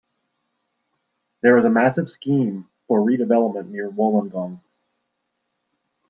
There is a massive scheme for redevelopment near Wollongong.